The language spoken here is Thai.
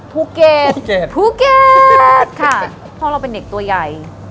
ภูเกตภูเกตภูเกตค่ะพ่อเราเป็นเด็กตัวใหญ่